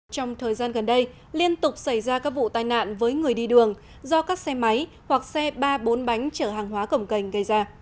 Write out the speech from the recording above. trong thời gian gần đây liên tục xảy ra các vụ tai nạn với người đi đường do các xe máy hoặc xe ba bốn bánh chở hàng hóa cổng cành gây ra